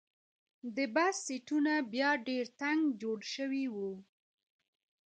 د بس سیټونه بیا ډېر تنګ جوړ شوي وو.